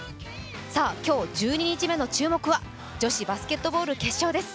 さあ、今日１２日目の注目は女子バスケットボール決勝です。